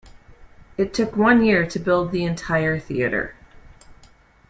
It took one year to build the entire theatre.